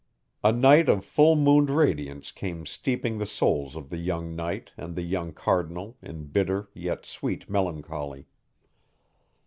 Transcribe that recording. A night of full mooned radiance came steeping the souls of the young Knight and the young Cardinal in bitter yet sweet melancholy.